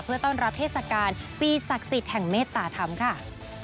เพื่อต้อนรับเทศกาลปีศักดิ์สิทธิ์แห่งเมตตาธรรมค่ะ